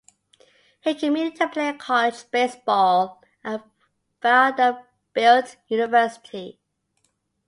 He committed to play college baseball at Vanderbilt University.